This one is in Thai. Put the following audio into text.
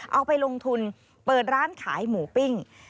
เอาไปลงทุนเปิดร้านขายหมูปิ้ง